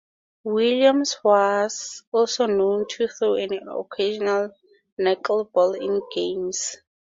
Williams was also known to throw an occasional knuckleball in games.